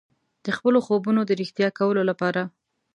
د خپلو خوبونو د ریښتیا کولو لپاره.